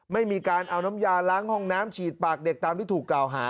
ไม่มีการเอาน้ำยาล้างห้องน้ำฉีดปากเด็กตามที่ถูกกล่าวหา